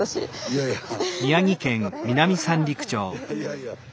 いやいやいや。